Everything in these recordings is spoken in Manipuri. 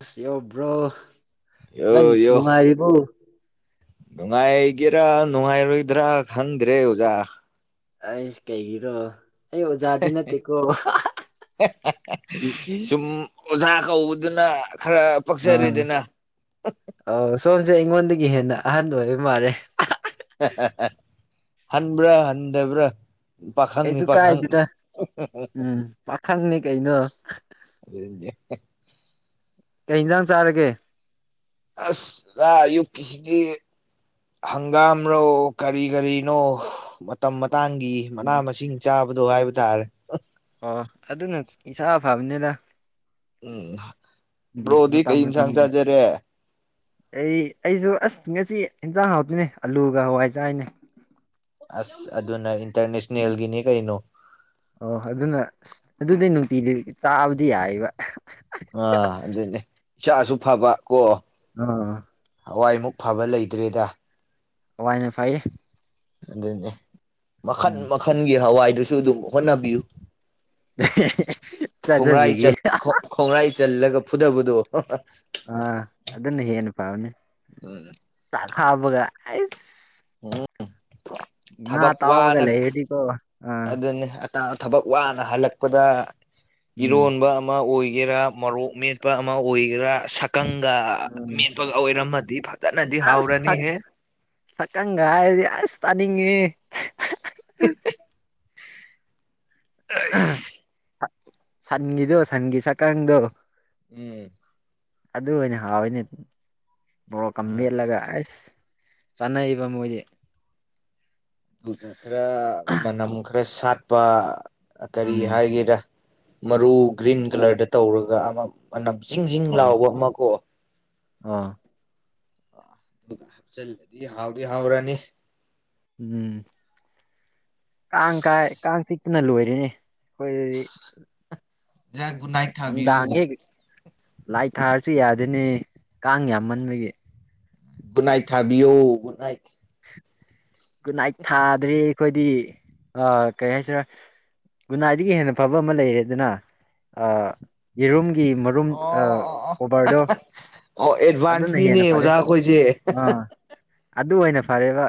ꯑꯁ ꯌꯣ ꯕ꯭ꯔꯣ ꯅꯪ ꯌꯣ ꯌꯣ ꯅꯨꯡꯉꯥꯏꯔꯤꯕꯣ ꯅꯨꯡꯉꯥꯏꯒꯦꯔꯥ ꯅꯨꯡꯉꯥꯏꯔꯣꯏꯗ꯭ꯔꯥ ꯈꯪꯗ꯭ꯔꯦ ꯑꯣꯖꯥ ꯑꯁ ꯀꯩꯒꯤꯔꯣ ꯑꯩ ꯑꯣꯖꯥꯗꯤ ꯅꯠꯇ꯭ꯔꯦꯀꯣ ꯁꯨꯝ ꯑꯣꯖꯥ ꯀꯧꯕꯗꯨꯅ ꯈꯔ ꯑꯥ ꯄꯛꯆꯔꯦꯗꯅ ꯑ ꯁꯣꯝꯁꯦ ꯑꯩꯉꯣꯟꯗꯒꯤ ꯍꯦꯟꯅ ꯑꯍꯟ ꯑꯣꯏꯕ ꯃꯥꯜꯂꯦ ꯑꯍꯥ ꯍꯦꯍꯦ ꯍꯟꯕ꯭ꯔꯥ ꯍꯟꯗꯕ꯭ꯔꯥ ꯄꯥꯈꯪꯅꯤ ꯀꯩꯁꯨ ꯄꯥꯈꯪ ꯀꯥꯏꯗꯦꯗ ꯎꯝ ꯄꯥꯈꯪꯅꯦ ꯀꯩꯅꯣ ꯑꯗꯨꯗꯤ ꯍꯦꯍꯦ ꯀꯩ ꯏꯟꯖꯥꯡ ꯆꯥꯔꯒꯦ ꯑꯁ ꯂ ꯑꯌꯨꯛꯀꯤꯁꯤꯗꯤ ꯍꯪꯒꯥꯝ ꯔꯣ ꯀꯔꯤ ꯀꯔꯤꯅꯣ ꯃꯇꯝ ꯇꯥꯡꯛꯒꯤ ꯃꯅꯥ ꯎꯝ ꯃꯁꯤꯡ ꯆꯥꯕꯗꯣ ꯍꯥꯏꯕ ꯇꯥꯔꯦ ꯑꯣ ꯑꯗꯨꯅ ꯏꯁꯥ ꯐꯕꯅꯦꯗ ꯎꯝ ꯎꯝ ꯕ꯭ꯔꯣꯗꯤ ꯃꯇꯝ ꯀꯩ ꯏꯟꯁꯥꯡ ꯃꯇꯝꯒꯤ ꯆꯥꯖꯔꯦ ꯑꯩ ꯑꯩꯁꯨ ꯑꯁ ꯉꯁꯤ ꯢꯟꯖꯥꯡ ꯍꯥꯎꯇꯤꯅꯦ ꯑꯂꯨꯒ ꯍꯋꯥꯏ ꯆꯌꯦꯅꯦ ꯑꯁ ꯑꯗꯨꯅ ꯏꯟꯇꯔꯅꯦꯁꯟꯅꯦꯜꯒꯤꯅꯤ ꯀꯩꯅꯣ ꯑꯣ ꯑꯗꯨꯅꯁ ꯑꯗꯨꯗꯤ ꯅꯨꯡꯇꯤꯗꯤ ꯆꯥꯕꯗꯤ ꯌꯥꯏꯕ ꯏꯆꯥꯁꯨ ꯐꯕ ꯀꯣ ꯑꯥ ꯍꯋꯥꯏꯃꯨꯛ ꯐꯕ ꯂꯩꯇ꯭ꯔꯦꯗ ꯍꯋꯥꯏꯅꯦ ꯐꯩꯌꯦ ꯑꯗꯨꯅꯦ ꯃꯈꯟ ꯎꯝ ꯃꯈꯜꯒꯤ ꯍꯋꯥꯏꯗꯨꯁꯨ ꯑꯗꯨꯝ ꯍꯣꯠꯅꯕꯤꯌꯨ ꯆꯥꯖꯕꯤꯒꯦ ꯈꯣꯡꯉ꯭ꯔꯥꯏ ꯆꯜꯂꯒ ꯐꯨꯗꯣꯕꯗꯣ ꯑ ꯑꯗꯨꯅ ꯍꯦꯟꯅ ꯐꯕꯅꯦ ꯆꯥꯛ ꯍꯥꯞꯄꯒ ꯑ꯭ꯁꯥ ꯎꯝ ꯉꯥ ꯊꯕꯛ ꯇꯥꯎꯕꯒ ꯋꯥꯅ ꯂꯩꯔꯗꯤꯀꯣ ꯑꯥ ꯑꯗꯨꯅꯤ ꯑ ꯊꯕꯛ ꯋꯥꯅ ꯍꯜꯂꯛꯄꯗ ꯎꯝ ꯏꯔꯣꯟꯕ ꯑꯃ ꯑꯣꯏ ꯑꯣꯏꯒꯦꯔꯥ ꯃꯣꯔꯣꯛ ꯃꯦꯠꯄ ꯑꯃ ꯑꯣꯏꯒꯦꯔꯥ ꯁꯛꯀꯪꯒ ꯎꯝ ꯃꯦꯠꯄꯒ ꯑꯣꯏꯔꯝꯃꯗꯤ ꯐꯩ ꯑꯁ ꯁꯀꯪ ꯀ ꯍꯥꯏꯔꯗꯤ ꯑꯁ ꯇꯅꯤꯡꯉꯦ ꯍꯦ ꯍꯤꯛꯍꯤꯛ ꯑꯩꯁ ꯁꯟꯒꯤꯗꯣ ꯁꯟꯒꯤ ꯁꯛꯀꯥꯡꯗꯣ ꯎꯝ ꯑꯗꯨ ꯑꯣꯏꯅ ꯍꯥꯎꯌꯦꯅꯦ ꯃꯣꯔꯣꯛꯀ ꯃꯦꯠꯂꯒ ꯑꯁ ꯆꯥꯟꯅꯩꯕ ꯃꯣꯏꯗꯤ ꯑꯗꯨꯗ ꯈꯔ ꯃꯅꯝ ꯈꯔ ꯁꯥꯠꯄ ꯀꯔꯤ ꯎꯝ ꯍꯥꯏꯒꯦꯔꯥ ꯃꯔꯨ ꯒ꯭ꯔꯤꯟ ꯀꯂꯔꯗ ꯇꯧꯔꯒ ꯑꯃ ꯑꯅꯝ ꯖꯤꯡ ꯖꯤꯡ ꯂꯥꯎꯕ ꯑꯃ ꯀꯣ ꯑꯥ ꯑ ꯑꯗꯨꯒ ꯍꯥꯞꯆꯤꯜꯂꯗꯤ ꯍꯥꯎꯗꯤ ꯍꯥꯎꯔꯅꯤ ꯎꯝ ꯀꯥꯡ ꯀꯥꯏ ꯀꯥꯡ ꯆꯤꯛꯄꯅ ꯂꯣꯏꯔꯅꯦ ꯑꯩꯈꯣꯏꯒ ꯓꯥ ꯒꯨꯗ ꯅꯥꯏꯠ ꯊꯥꯕꯤꯌꯣ ꯂꯥꯠ ꯊꯥꯔꯁꯨ ꯌꯥꯗꯦꯅꯦ ꯀꯥꯡ ꯌꯥꯝꯃꯟꯕꯒꯤ ꯒꯨꯗ ꯅꯥꯏꯠ ꯊꯥꯕꯤꯌꯣ ꯒꯨꯗ ꯅꯥꯏꯠ ꯒꯨꯗ ꯅꯥꯏꯠ ꯊꯥꯗ꯭ꯔꯦ ꯑꯩꯈꯣꯏꯗꯤ ꯑꯥ ꯀꯩ ꯍꯥꯏꯁꯤꯔꯥ ꯒꯨꯗ ꯅꯥꯏꯗꯒꯤ ꯍꯦꯟꯅ ꯐꯕ ꯑꯃ ꯂꯩꯔꯦꯗꯅ ꯑꯥ ꯌꯦꯔꯨꯝ ꯀ ꯃꯔꯨꯝ ꯑꯣ ꯑꯥ ꯑꯣ ꯑꯣ ꯀꯣꯚꯔꯗꯣ ꯑꯣ ꯑꯗꯨꯅ ꯑꯦꯗꯚꯥꯟꯁꯅꯤꯅꯦ ꯍꯦꯟꯅ ꯐꯔꯦ ꯑꯣꯖꯥ ꯑꯩꯈꯣꯏꯁꯦ ꯑꯥ ꯑꯗꯨ ꯑꯣꯏꯅ ꯐꯔꯦꯕ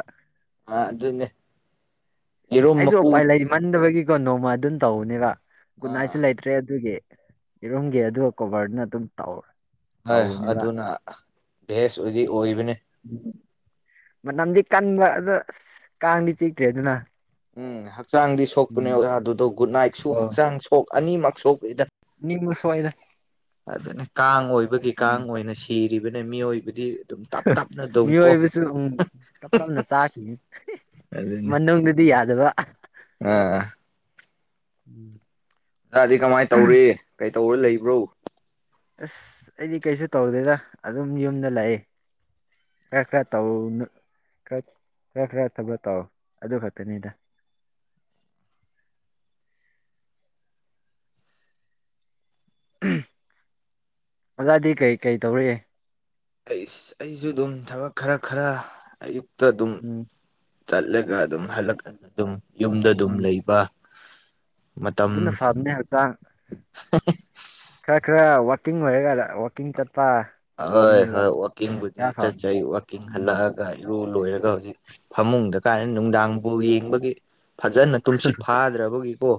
ꯑꯥ ꯑꯗꯨꯅꯦ ꯌꯦꯔꯨꯝ ꯑꯩꯁꯨ ꯃꯀꯨ ꯎꯄꯥꯏ ꯂꯩ ꯃꯟꯗꯕꯒꯤ ꯀꯣ ꯅꯣꯡꯃ ꯑꯗꯨꯝ ꯇꯧꯅꯦꯕ ꯒꯨꯗꯅꯥꯏꯠꯁꯨ ꯑꯥ ꯂꯩꯇ꯭ꯔꯦ ꯑꯗꯨꯒꯤ ꯌꯦꯔꯨꯝꯒꯤ ꯑꯗꯨꯏ ꯀꯣꯚꯔꯅ ꯑꯗꯨꯝ ꯇꯧꯔꯦ ꯍꯣꯏ ꯑꯗꯨꯅ ꯚꯦꯁ ꯑꯣꯏꯗꯤ ꯑꯣꯏꯕꯅꯤ ꯃꯅꯝꯗꯤ ꯀꯟꯕ ꯑꯗꯨ ꯑꯁ ꯀꯥꯡꯗꯤ ꯆꯤꯇ꯭ꯔꯦꯗꯅ ꯎꯝ ꯍꯛꯆꯥꯡꯗꯤ ꯁꯣꯛꯄꯅꯦ ꯑꯣꯖꯥ ꯑꯗꯨꯗꯣ ꯒꯨꯗ ꯅꯥꯏꯠꯁꯨ ꯑꯣ ꯍꯛꯆꯥꯡ ꯁꯣꯛ ꯑꯅꯤꯃꯛ ꯁꯣꯛ ꯅꯤꯡꯕ ꯁꯣꯏꯗ [unintelligible] ꯑꯗꯨꯅꯦ ꯀꯥꯡ ꯑꯣꯏꯕꯒꯤ ꯎꯝ ꯀꯥꯡ ꯑꯣꯏꯅ ꯁꯤ ꯕꯅꯦ ꯃꯤꯑꯣꯏ [inaudible] ꯃꯤꯑꯣꯏꯕꯁꯨ ꯎꯝ ꯇꯞ ꯇꯞꯅ ꯆꯥꯈꯤꯅꯤ ꯑꯗꯨꯅꯦ ꯃꯅꯨꯡꯗꯗꯤ ꯌꯥꯗꯕ ꯑꯥ [inaudible] ꯂꯗꯤ ꯀꯃꯥꯏꯅ ꯇꯧꯔꯤ ꯀꯩꯇꯧꯔ ꯂꯩꯕ꯭ꯔꯣ ꯑꯁ ꯑꯩꯗꯤ ꯀꯩꯁꯨ ꯇꯧꯗꯦꯗ ꯑꯗꯨꯝ ꯌꯨꯝꯗ ꯂꯥꯛꯑꯦ ꯈ꯭ꯔ ꯈ꯭ꯔ ꯇꯧꯅ ꯈ ꯈ꯭ꯔ ꯈ꯭ꯔ ꯊꯕꯛ ꯇꯧ ꯑꯗꯨ ꯈꯛꯇꯅꯤꯗ [inaudible] ꯑꯣꯖꯥꯗꯤ ꯀꯩꯀꯩ ꯇꯧꯔꯤ ꯑꯩꯁ ꯑꯩꯁꯨ ꯑꯗꯨꯝ ꯊꯕꯛ ꯈꯔ ꯈꯔ ꯑꯌꯨꯛ ꯎꯝ ꯆꯠꯂꯒ ꯑꯗꯨꯝ ꯍꯜꯂꯛ ꯑꯗꯨꯝ ꯌꯨꯝꯗ ꯑꯗꯨꯝ ꯎꯝ ꯂꯩꯕ ꯃꯇꯝ ꯑꯗꯨꯅ ꯐꯕꯅꯦ ꯍꯛꯇꯥꯡ ꯈꯔ ꯈꯔ ꯋ ꯋꯥꯀꯤꯡ ꯂꯣꯏꯔꯒꯅ ꯋꯥꯀꯤꯡ ꯆꯠ ꯍꯣꯏ ꯍꯣꯏ ꯋꯥꯛꯀꯤꯡꯕꯨꯗꯤ ꯌꯥꯝ ꯐꯕꯅꯤ ꯆꯠꯆꯩ ꯋꯥꯛꯀꯤꯡ ꯎꯝ ꯍꯜꯂꯛꯑꯒ ꯏꯔꯨ ꯂꯣꯏꯔꯒ ꯍꯧꯖꯤꯛ ꯐꯃꯨꯡꯗ ꯀꯥꯏꯅ ꯅꯨꯡꯗꯥꯡ ꯕꯣꯜ ꯌꯦꯡꯕꯒꯤ ꯐꯖꯟꯅ ꯇꯨꯝꯁꯤꯠ ꯐꯥꯗ꯭ꯔꯕꯒꯤꯀꯣ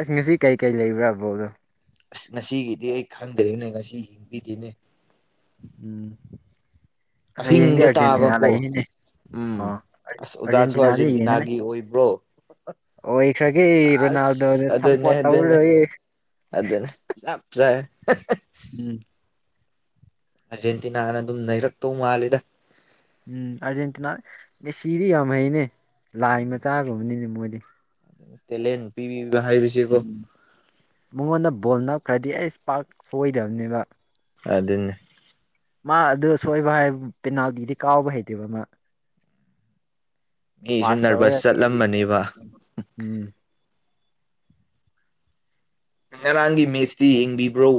ꯑꯁ ꯉꯁꯤ ꯀꯩꯀꯩ ꯂꯩꯕ꯭ꯔ ꯕꯣꯜꯗꯣ ꯑꯁ ꯉꯁꯤꯒꯤꯗꯤ ꯑꯩ ꯈꯪꯗ꯭ꯔꯦꯅꯦ ꯉꯁꯤ ꯒꯤꯗꯤꯅꯦ ꯎꯝ ꯍꯌꯦꯡꯗꯤ ꯑꯍꯤꯡꯗ ꯑꯔꯖꯦꯟꯇꯤꯅꯥ ꯇꯥꯕꯀꯣ ꯂꯩꯅꯦ ꯎꯝ ꯑ ꯑꯁ ꯑꯣꯖꯥꯁꯨ ꯑꯔꯖꯦꯟꯇꯤꯅꯥꯗꯤ ꯌꯦꯡꯉꯅꯦ ꯑꯥꯔꯖꯦꯟꯇꯤꯅꯥꯒꯤ ꯑꯣꯏꯕ꯭ꯔꯣ ꯑꯣꯏꯈ꯭ꯔꯒꯦ ꯔꯣꯅꯥꯜꯗꯣꯅ ꯑꯁ ꯑꯗꯨꯅꯦ ꯁꯝꯄꯣꯔꯠ ꯑꯗꯨꯅꯦ ꯇꯧꯔꯒꯦ ꯑꯗꯨꯅꯦ ꯆꯞ ꯆꯥꯏ ꯎꯝ ꯑꯥꯔꯖꯦꯟꯇꯤꯅꯥꯅ ꯑꯗꯨꯝ ꯅꯩꯔꯛꯇꯧ ꯃꯥꯜꯂꯦꯗ ꯎꯝ ꯑꯔꯖꯦꯟꯇꯤꯅꯥ ꯃꯦꯁꯤꯗꯤ ꯌꯥꯝ ꯍꯩꯅꯦ ꯂꯥꯏ ꯃꯆꯥꯥꯒꯨꯝꯅꯦ ꯃꯣꯏꯗꯤ ꯇꯦꯂꯦꯟꯠ ꯄꯤꯕꯤꯕ ꯍꯥꯏꯕꯁꯤꯕꯣ ꯎꯝ ꯃꯉꯣꯟꯗ ꯕꯣꯜ ꯅꯞꯈ꯭ꯔꯗꯤ ꯑꯩꯁ ꯄꯥꯛ ꯁꯣꯏꯗꯕꯅꯦꯕ ꯑꯗꯨꯅꯤ ꯃꯥ ꯑꯗꯨ ꯁꯣꯏꯕ ꯍꯥꯏꯕꯨ ꯄꯦꯅꯥꯜꯇꯤꯗꯤ ꯀꯥꯎꯕ ꯍꯩꯇꯦꯕ ꯃꯥ ꯃꯤꯁꯨ ꯄꯥꯁ ꯇꯧꯔ ꯗꯤ ꯅꯔꯚꯁ ꯏ ꯆꯠꯂꯝꯕꯅꯦꯕ ꯎꯝ ꯉꯔꯥꯡꯒꯤ ꯃꯦꯁꯇꯤ ꯌꯦꯡꯕꯤꯕ꯭ꯔꯣ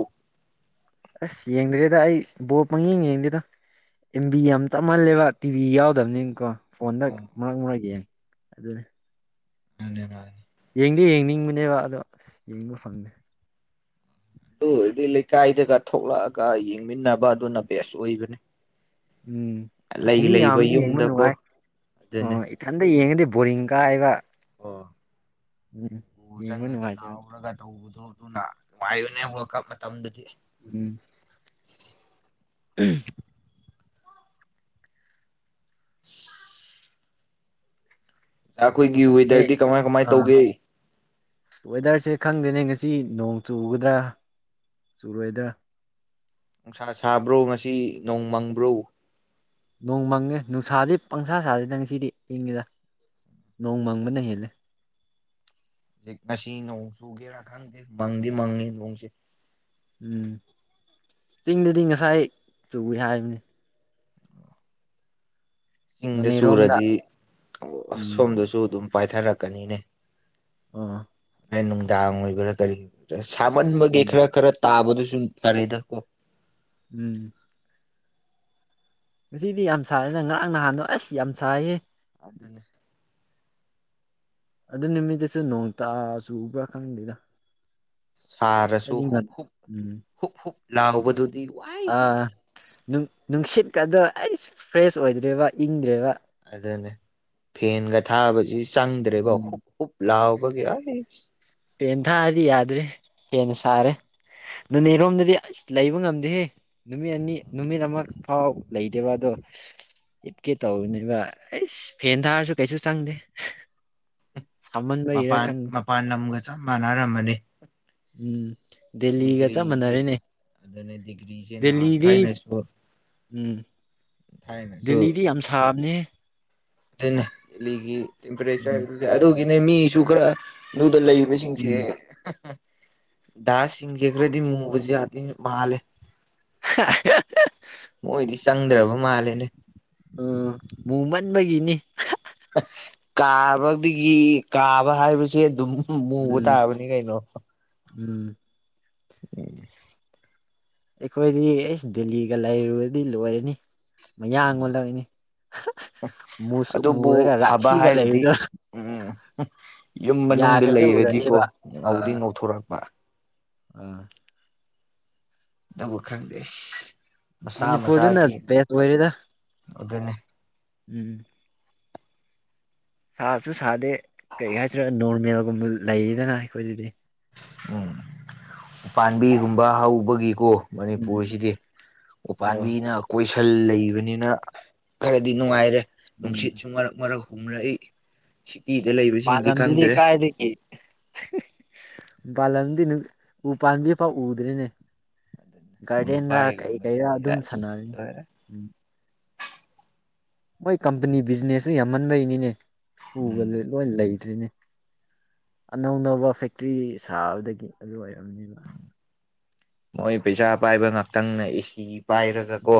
ꯑꯁ ꯌꯦꯡꯗ꯭ꯔꯦꯗ ꯑꯩ ꯕꯣꯜ ꯄꯪꯌꯦꯡ ꯌꯦꯡꯗꯦꯗ ꯑꯦꯝ ꯕꯤ ꯌꯥꯝ ꯇꯞꯃꯜꯂꯦꯕ ꯇꯤꯚꯤ ꯌꯥꯎꯗꯕꯅꯤꯅ ꯀꯣ ꯐꯣꯟꯗ ꯑꯣ ꯃꯔꯛ ꯃꯔꯛ ꯌꯦꯡ ꯑꯗꯨꯅꯤ ꯁꯟꯗꯦ ꯃꯥꯜꯂꯤ ꯌꯦꯡꯗꯤ ꯌꯦꯡꯅꯤꯡꯕꯅꯦꯕ ꯑꯗꯣ ꯌꯦꯡꯕ ꯐꯪꯗꯦ ꯑꯗꯨ ꯑꯣꯏꯔꯗꯤ ꯂꯩꯀꯥꯏꯗꯒ ꯊꯣꯛꯂꯛꯑꯒ ꯌꯦꯡꯃꯤꯟꯅꯕ ꯑꯗꯨꯅ ꯕꯦꯁ ꯑꯣꯏꯕꯅꯤ ꯎꯝ ꯑꯁ ꯂꯩ ꯃꯤ ꯂꯩꯕ ꯌꯥꯝꯕꯗꯤ ꯌꯦꯡꯕ ꯌꯨꯝꯗꯀꯣ ꯅꯨꯡꯉꯥꯏ ꯑꯗꯨꯅꯤ ꯑꯣ ꯏꯊꯟꯇ ꯌꯦꯡꯉꯗꯤ ꯕꯣꯔꯤꯡ ꯀꯥꯏꯌꯦꯕ ꯑꯣ ꯒꯣꯜ ꯌꯦꯡꯕ ꯆꯪꯉꯒ ꯅꯨꯡꯉꯥꯏꯇꯦꯕ ꯂꯥꯎꯔꯒ ꯇꯧꯕꯗꯣ ꯑꯗꯨꯅ ꯅꯨꯡꯉꯥꯏꯕꯅꯦ ꯋꯥ꯭ꯔꯜ ꯀꯞ ꯃꯇꯝꯗꯨꯗꯤ ꯎꯝ [unintelligible] [inaudible] ꯑꯩꯈꯣꯏꯒꯤ ꯑꯦ ꯋꯦꯗꯔꯗꯤ ꯀꯃꯥꯏ ꯀꯃꯥꯏ ꯇꯧꯒꯦ ꯁꯦ ꯈꯪꯗꯦꯅꯦ ꯉꯁꯤ ꯅꯣꯡ ꯆꯨꯒꯗ꯭ꯔꯥ ꯆꯨꯔꯣꯏꯗ꯭ꯔꯥ ꯅꯨꯡꯁꯥ ꯁꯥꯕ꯭ꯔꯣ ꯉꯁꯤ ꯅꯣꯡ ꯃꯪꯕ꯭ꯔꯣ ꯅꯣꯡꯃꯪꯉꯦ ꯅꯨꯡꯁꯥꯗꯤ ꯄꯪꯁꯥ ꯁꯥꯗꯦꯗ ꯉꯁꯤꯗꯤ ꯏꯪꯉꯤꯗ ꯅꯣꯡ ꯃꯪꯕꯅ ꯍꯦꯜꯂꯦ ꯉꯁꯤ ꯅꯣꯡꯆꯨꯒꯦꯔꯥ ꯈꯪꯗꯦ ꯃꯪꯗꯤ ꯃꯪꯉꯤ ꯅꯣꯡꯁꯦ ꯎꯝ ꯆꯤꯡꯗꯗꯤ ꯉꯁꯥꯏ ꯆꯨꯏ ꯍꯥꯏꯕꯅꯤ ꯆꯤꯡꯗ ꯅꯣꯅꯦꯔꯣꯝꯗ ꯆꯨꯔꯗꯤ ꯑꯁ ꯎꯝ ꯁꯣꯝꯗꯁꯨ ꯑꯗꯨꯝ ꯄꯥꯏꯊꯔꯛꯀꯅꯤꯅꯦ ꯑꯝ ꯍꯣꯔꯦꯟ ꯅꯨꯡꯗꯥꯡ ꯑꯣꯏꯕꯩꯔꯥ ꯀꯔꯤ ꯔ ꯁꯥꯃꯟꯕꯒꯤ ꯎꯝ ꯈꯔ ꯈꯔ ꯇꯥꯕꯗꯨꯁꯨ ꯆꯨꯝ ꯐꯔꯦꯗ ꯀꯣ ꯎꯝ ꯉꯁꯤꯗꯤ ꯌꯥꯝ ꯁꯥꯏꯗꯦꯅ ꯉꯔꯥꯡ ꯅꯍꯥꯟꯗꯣ ꯑꯁ ꯌꯥꯝ ꯁꯥꯏꯌꯦ ꯑꯗꯨꯅꯦ ꯑꯗꯨ ꯅꯃꯤꯠꯇꯁꯨ ꯅꯣꯡ ꯇꯥ ꯆꯨꯕ꯭ꯔꯥ ꯈꯪꯗꯦꯗ ꯁꯥꯔꯁꯨ ꯑꯩꯗꯤ ꯉꯟ ꯍꯨꯛ ꯍꯨꯛ ꯎꯝ ꯍꯨꯞ ꯍꯨꯞ ꯂꯥꯎꯕꯗꯨꯗꯤ ꯑꯥ ꯋꯥꯏꯁ ꯅꯨꯡ ꯅꯨꯡꯁꯤꯠꯀꯗꯣ ꯑꯩꯁ ꯐ꯭ꯔꯦꯁ ꯑꯣꯏꯗ꯭ꯔꯦꯕ ꯏꯪꯗ꯭ꯔꯦꯕ ꯑꯗꯨꯅꯦ ꯐꯦꯟꯒ ꯊꯥꯕꯁꯤ ꯆꯪꯗ꯭ꯔꯦꯕ ꯎꯝ ꯍꯨꯞ ꯍꯨꯞ ꯂꯥꯎꯕꯒꯤ ꯑꯩꯁ ꯐꯦꯟ ꯊꯥꯔꯗꯤ ꯌꯥꯗ꯭ꯔꯦ ꯍꯦꯟꯅ ꯁꯥꯔꯦ ꯅꯣꯅꯦꯔꯣꯝꯗꯗꯤ ꯑꯁ ꯂꯩꯕ ꯉꯝꯗꯦꯍꯦ ꯅꯨꯃꯤꯠ ꯑꯅꯤ ꯅꯨꯃꯤꯠ ꯑꯃ ꯐꯥꯎ ꯂꯩꯗꯦꯕ ꯑꯗꯣ [inaudible] ꯍꯤꯞꯀꯦ ꯇꯧꯕꯅꯦꯕ ꯑꯩꯁ ꯐꯦꯟ ꯊꯥꯔꯁꯨ ꯀꯩꯁꯨ ꯆꯪꯗꯦ ꯁꯥꯃꯟꯕꯩꯔꯥ ꯃꯄꯥꯟ ꯈꯪꯗꯦ ꯃꯄꯥꯟ ꯂꯝꯒ ꯆꯞ ꯃꯥꯟꯅꯔꯝꯃꯅꯤ ꯎꯝ ꯗꯦꯜꯂꯤꯒ ꯆꯞ ꯗꯤꯒ꯭ꯔꯤꯖꯦ ꯃꯥꯟꯅꯔꯦꯅꯦ ꯑꯗꯨꯅꯦ ꯗꯤꯒ꯭ꯔꯤꯖꯦ ꯅꯍꯥꯟ ꯗꯦꯜꯂꯤꯗꯤ ꯊꯥꯏꯅꯁꯨ ꯎꯝ ꯗꯦꯜꯂꯤꯗꯤ ꯌꯥꯝ ꯁꯥꯕꯅꯦ ꯗꯦ ꯂꯤꯒꯤ ꯇꯦꯝꯄꯔꯦꯆꯔ ꯎꯝ ꯑꯗꯨꯒꯤꯅꯦ ꯃꯤꯁꯨ ꯈꯔ ꯅꯨꯞ ꯑꯗꯣ ꯂꯩꯕꯁꯤꯡꯁꯦ ꯎꯝ ꯗꯥꯁ ꯁꯤꯡꯖꯦ ꯈꯔꯗꯤ ꯃꯨꯕꯖꯨ ꯃꯥꯂꯦ ꯃꯣꯏꯗꯤ ꯆꯪꯗ꯭ꯔꯕ ꯃꯥꯜꯂꯦꯅꯦ ꯑꯥ ꯃꯨꯃꯟꯕꯒꯤꯅꯤ ꯀꯥꯕꯗꯒꯤ ꯀꯥꯕ ꯍꯥꯏꯕꯁꯦ ꯑꯗꯨꯝ ꯃꯨꯕ ꯎꯝ ꯇꯥꯕꯅꯤ ꯀꯩꯅꯣ ꯎꯝ [inaudible] ꯑꯩꯈꯣꯏꯗꯤ ꯑꯩꯁ ꯗꯦꯜꯂꯤꯒ ꯂꯩꯔꯨꯔꯗꯤ ꯂꯣꯏꯔꯅꯤ ꯃꯌꯥꯥꯡꯉꯣꯟ ꯑꯂꯅꯤ ꯃꯁꯨ ꯑꯗꯨꯕꯨ ꯃꯨꯔꯒ ꯐꯕ ꯔꯁꯤꯒ ꯍꯥꯏꯔꯗꯤ ꯂꯩꯔꯒꯥ ꯎꯝ ꯌꯨꯝ ꯃꯅꯨꯡꯗ ꯂꯩꯔꯗꯤꯀꯣ ꯎꯔꯅꯦꯕ ꯉꯧꯗꯤ ꯉꯧꯊꯣꯔꯛꯄ ꯑꯝ ꯑꯗꯨꯕ ꯈꯪꯗꯦ ꯑꯁ ꯃꯁꯥ ꯃꯅꯤꯄꯨꯔꯗꯅ ꯃꯁꯥꯒꯤ ꯕꯦꯁ ꯑꯣꯏꯔꯦꯗ ꯑꯗꯨꯅꯤ ꯎꯝ ꯁꯥꯕꯁꯨ ꯁꯥꯗꯦ ꯀꯩ ꯍꯥꯏꯁꯦꯔꯥ ꯅꯣꯔꯃꯦꯜꯒꯨꯝꯕ ꯂꯩꯔꯤꯗꯅ ꯑꯩꯈꯣꯏꯗꯗꯤ ꯎꯝ ꯎꯄꯥꯥꯝꯕꯤꯒꯨꯝꯕ ꯍꯧꯕꯒꯤ ꯀꯣ ꯎꯝ ꯃꯅꯤꯄꯨꯔꯁꯤꯗꯤ ꯑ ꯎꯄꯥꯥꯟꯕꯤꯅ ꯀꯣꯏꯁꯟ ꯂꯩꯕꯅꯤꯅ ꯈꯔꯗꯤ ꯅꯨꯡꯉꯥꯏꯔꯦ ꯎꯝ ꯅꯨꯡꯁꯤꯠꯁꯨ ꯃꯔꯛ ꯃꯔꯛ ꯍꯨꯝꯔꯛꯏ ꯁꯤꯇꯤꯗ ꯂꯩꯕꯁꯤꯡꯗꯤ ꯃꯄꯂꯝꯗꯗꯤ ꯈꯪꯗ꯭ꯔꯦ ꯀꯥꯢꯗꯒꯤ ꯍꯤꯍꯦ ꯃꯄꯥꯜꯂꯝꯗꯤ ꯎ ꯄꯥꯝꯕꯤ ꯄꯥꯎ ꯎꯗ꯭ꯔꯦꯅꯦ ꯑꯗꯨꯅ ꯒꯥꯔꯗꯦꯟꯗ ꯀꯩ ꯀꯩꯔ ꯗꯨꯕꯥꯏꯒꯨꯝꯕꯁꯤꯗꯤ ꯑꯗꯨꯝ ꯑꯁ ꯁꯥꯟꯅꯔꯅꯤ ꯂꯣꯏꯔꯦ ꯎꯝ ꯃꯣꯏ ꯀꯝꯄꯅꯤ ꯕꯤꯖꯤꯅꯦꯁꯁꯦ ꯌꯥꯝꯃꯟꯕꯩꯅꯤꯅꯦ ꯄꯨꯒ ꯎꯝ ꯂꯣꯏ ꯂꯩꯇ꯭ꯔꯦꯅꯦ ꯑꯅꯧ ꯑꯅꯧꯕ ꯐꯦꯛꯇ꯭ꯔꯤ ꯁꯥꯕꯗꯒꯤ ꯑꯗꯨ ꯑꯣꯏꯔꯝꯅꯤꯕ ꯃꯣꯏ ꯄꯩꯁꯥ ꯄꯥꯏꯕ ꯉꯥꯛꯇꯪꯅ ꯑꯦꯁꯤ ꯄꯥꯏꯔꯒ ꯀꯣ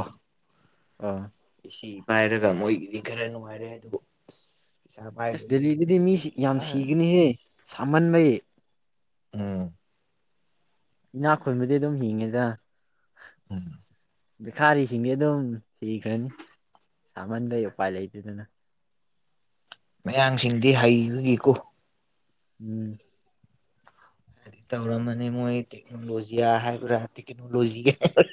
ꯑꯥ ꯑꯦꯁꯤ ꯄꯥꯏꯔꯒ ꯃꯣꯏꯒꯤꯗꯤ ꯈꯔ ꯅꯨꯡꯉꯥꯏꯔꯦ ꯑꯗꯨꯕꯨ ꯑꯁ ꯑꯁ ꯗꯦꯜꯂꯤꯗꯗꯤ ꯃꯤ ꯌꯥꯝ ꯁꯤꯒꯅꯤꯍꯦ ꯁꯥꯃꯟꯕꯩ ꯎꯝ ꯏꯅꯥ ꯈꯨꯟꯕꯗꯤ ꯑꯗꯨꯝ ꯍꯤꯡꯉꯦꯗ ꯎꯝ ꯕꯤꯈꯥꯔꯤꯁꯤꯡꯗꯤ ꯑꯗꯨꯝ ꯁꯤꯈ꯭ꯔꯅꯤ ꯁꯥꯃꯟꯕꯩ ꯎꯄꯥꯏ ꯂꯩꯇꯗꯅ ꯃꯌꯥꯡꯁꯤꯡꯗꯤ ꯍꯩꯕꯅꯤꯀꯣ ꯎꯝ ꯇꯧꯔꯝꯃꯅꯤ ꯃꯣꯏ ꯇꯦꯛꯅꯣꯂꯣꯖꯤꯌꯥ ꯍꯥꯏꯕ꯭ꯔ ꯇꯦꯛꯅꯣꯂꯣꯖꯤ [inaudible] ꯍꯥꯏꯕ꯭ꯔ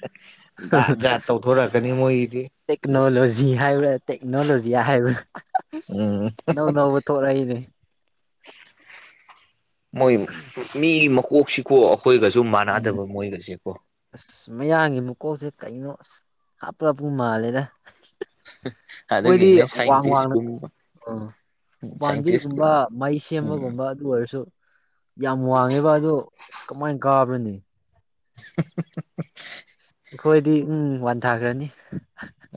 ꯃꯣꯏꯒꯤꯗꯤ [inaudible] ꯇꯦꯛꯅꯣꯂꯣꯖꯤ ꯍꯥꯏꯕ꯭ꯔ ꯇꯦꯛꯅꯣꯂꯣꯖꯤꯌꯥ ꯍꯥꯏꯕ꯭ꯔ ꯎꯝ [inaudible] ꯑꯅꯧ ꯅꯧꯕ ꯊꯣꯛꯂꯛꯏꯅꯦ ꯃꯣꯏ ꯃꯤ ꯃꯀꯣꯛꯁꯤꯀꯣ ꯑꯩꯈꯣꯏꯒꯁꯨ ꯎꯝ ꯃꯥꯟꯅꯗꯕ ꯃꯣꯢꯒꯁꯦꯀꯣ ꯑꯁ ꯃꯌꯥꯡꯒꯤ ꯃꯀꯣꯛꯁꯦ ꯀꯩꯅꯣ ꯑꯁ ꯍꯥꯞꯔꯞꯄꯨ ꯃꯥꯜꯂꯦꯗ [inaudible] ꯃꯣꯏꯗꯤ ꯑꯗꯨꯒꯤꯅꯦ ꯋꯥꯡ ꯋꯥꯡꯅ ꯁꯥꯏꯟꯇꯤꯁꯀꯨꯝꯕ ꯑ ꯎꯄꯥꯥꯟꯕꯤꯒꯨꯝꯕ ꯁꯥꯏꯟꯇꯤꯁꯀꯨꯝꯕ ꯃꯩ ꯎꯝ ꯁꯦꯝꯕꯒꯨꯝꯕ ꯑꯗꯨ ꯑꯣꯏꯔꯁꯨ ꯌꯥꯝ ꯋꯥꯡꯉꯦꯕ ꯑꯗꯣ ꯑꯁ ꯀꯃꯥꯏꯅ ꯀꯥꯒꯅꯤ [inaudible] ꯑꯩꯈꯣꯏꯗꯤ ꯎꯝ ꯋꯥꯟꯊꯥꯈ꯭ꯔꯅꯤ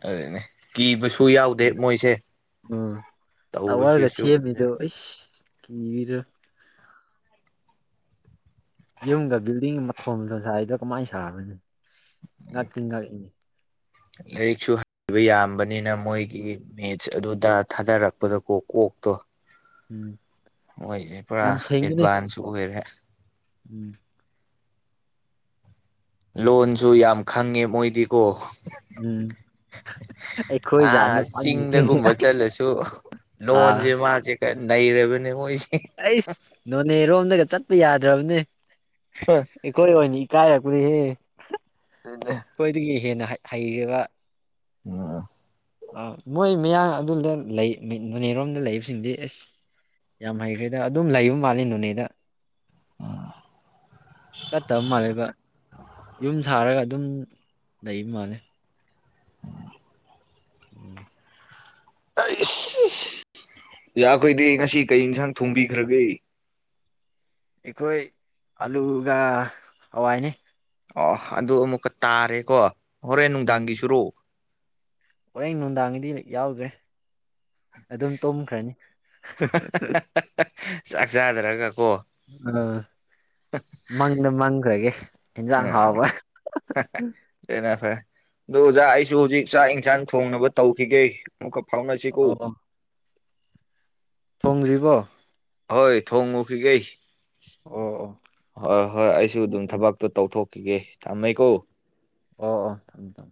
ꯑꯗꯨꯅꯦ ꯀꯤꯕꯁꯨ ꯁꯨ ꯌꯥꯎꯗꯦ ꯃꯣꯏꯁꯦ ꯎꯝ ꯇꯧꯕꯁꯤ ꯁꯨꯝ ꯀꯤ ꯗ ꯌꯨꯝꯗ ꯕꯤꯜꯗꯤꯡ ꯃꯊꯣꯟꯒ ꯁꯥꯔꯤꯗꯣ ꯀꯃꯥꯏꯅ ꯁꯥꯕꯅꯣ ꯉꯛꯇꯤ ꯉꯛꯏ ꯂꯥꯏꯔꯤꯛꯁꯨ ꯍꯩꯕ ꯌꯥꯝꯕꯅꯤꯅ ꯃꯣꯏꯒꯤ ꯃꯦꯠꯁ ꯑꯗꯨ ꯗ ꯊꯥꯗꯔꯛꯄꯗꯀꯣ ꯀꯣꯛꯇꯣ ꯎꯝ ꯃꯣꯢꯁꯦ ꯄꯨꯔꯥ ꯌꯥꯝ ꯁꯦꯡꯉꯤꯅꯦ ꯑꯦꯗꯚꯥꯟꯁ ꯑꯣꯏꯔꯦ ꯎꯝ ꯂꯣꯟꯁꯨ ꯌꯥꯝ ꯈꯪꯉꯦ ꯃꯣꯏꯗꯤꯀꯣ ꯎꯝ ꯑꯩꯈꯣꯏ ꯑ ꯖꯥꯠꯅꯤ ꯄꯪꯉꯤꯁꯦ ꯆꯤꯡꯗꯒꯨꯝꯕ ꯆꯠꯂꯁꯨ ꯑꯥ ꯂꯣꯟꯁꯦ ꯃꯥꯁꯦ ꯅꯩꯔꯕꯅꯦ ꯃꯣꯢꯁ ꯑꯩꯁ ꯅꯣꯅꯦꯔꯣꯝꯗꯒ ꯆꯠꯄ ꯌꯥꯗ꯭ꯔꯕꯅꯦ ꯑꯩꯈꯣꯏ ꯑꯣꯏꯅ ꯀꯥꯏꯔꯛꯄꯅꯤꯍꯦ [inaudible] ꯑꯗꯨꯅꯦ ꯑꯈꯣꯏꯗꯒꯤ ꯍꯦꯟꯅ ꯍꯩꯔꯦꯕ ꯑ ꯑ ꯑꯥ ꯃꯣꯏ ꯃꯌꯥꯡ ꯑꯗꯣꯝꯗ ꯂꯩ ꯅꯅꯦꯔꯣꯝꯗ ꯂꯩꯕꯁꯤꯡꯗꯤ ꯏꯁ ꯌꯥꯝ ꯍꯩꯈ꯭ꯔꯦꯗ ꯑꯗꯨꯝ ꯂꯩꯕ ꯃꯥꯜꯂꯦ ꯅꯣꯅꯦꯗ ꯆꯠꯇꯕ ꯃꯥꯜꯂꯦꯕ ꯌꯨꯝ ꯁꯥꯔꯒ ꯑꯗꯨꯝ ꯂꯩꯕ ꯃꯥꯜꯂꯦ [inaudible] ꯑꯩ ꯁꯤꯁ ꯌꯥꯈꯣꯏꯗꯤ ꯉꯁꯤ ꯀꯩ ꯏꯟꯁꯥꯡ ꯊꯣꯡꯕꯤꯈ꯭ꯔꯒꯦ ꯑꯩꯈꯣꯏ ꯑꯂꯨꯒ ꯍꯋꯥꯏꯅꯦ ꯑ ꯑꯗꯨ ꯑꯃꯨꯛꯀ ꯇꯥꯔꯦꯀꯣ ꯍꯣꯔꯦꯟ ꯅꯨꯡꯗꯥꯡꯒꯤꯁꯨꯔꯣ ꯍꯣꯔꯡꯥꯦꯟ ꯅꯨꯡꯗꯥꯡꯒꯤꯗꯤ ꯌꯥꯎꯗ꯭ꯔꯦ ꯑꯗꯨꯝ ꯇꯨꯝꯈ꯭ꯔꯅꯤ [inaudible] ꯆꯥꯛ ꯆꯗꯔꯒ ꯑ ꯃꯪꯗ ꯃꯪꯈ꯭ꯔꯒꯦ ꯏꯟꯖꯥꯡ ꯑ ꯍꯥꯎꯕ ꯐꯣꯔꯦ ꯑꯗꯨ ꯑꯣꯖꯥ ꯑꯩꯁꯨ ꯍꯧꯖꯤꯛ ꯆꯥꯛ ꯏꯟꯁꯥꯡ ꯊꯣꯡꯅꯕ ꯇꯧꯈꯤꯒꯦ ꯃꯨꯛ ꯐꯥꯎꯅꯥꯁꯤ ꯀꯣ ꯐꯥꯎꯅꯥꯁꯤ ꯀꯣ ꯍꯣꯏ ꯊꯣꯡꯉꯨꯈꯤꯒꯦ ꯑꯣ ꯑꯣ ꯍꯣꯏ ꯍꯣꯏ ꯑꯩꯁꯨ ꯑꯗꯨꯝ ꯑꯣ ꯊꯕꯛꯇꯣ ꯇꯧꯊꯣꯛ ꯈꯤꯒꯦ ꯊꯝꯃꯦꯀꯣ ꯑꯣ ꯊꯝꯃꯦ ꯊꯝꯃꯦ